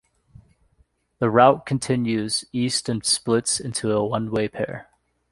The route continues east and splits into a one-way pair.